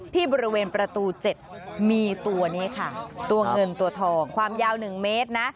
ที่บริเวณประตู๗มีตัวนี้ค่ะตัวเงินตัวทองความยาว๑เมตรนะ